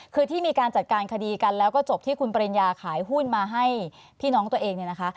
คือที่มีการจัดการคดีกันแล้วก็จบที่คุณปริญญาขายหุ้นมาให้พี่น้องตัวเองเนี่ยนะคะ